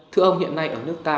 thưa ông hiện nay ở nước ta